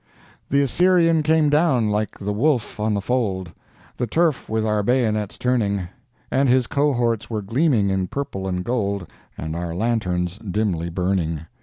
The Assyrian came down like the wolf on the fold, The turf with our bayonets turning, And his cohorts were gleaming in purple and gold, And our lanterns dimly burning.